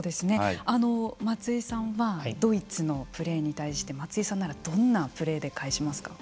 松井さんはドイツのプレーに対して松井さんならどんなプレーで返しますか。